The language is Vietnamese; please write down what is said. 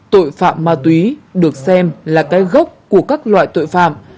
tội phạm ma túy được xem là cái gốc của các loại tội phạm